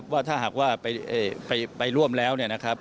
ว่าถ้าหากว่าไปร่วมแล้ว